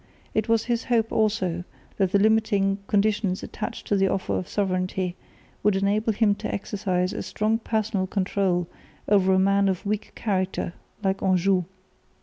It was his hope also that the limiting conditions attached to the offer of sovereignty would enable him to exercise a strong personal control over a man of weak character like Anjou.